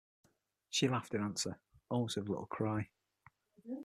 She laughed in answer, almost with a little cry.